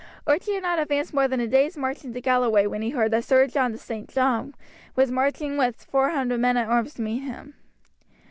Archie had not advanced more than a day's march into Galloway when he heard that Sir John de St. John was marching with four hundred men at arms to meet him.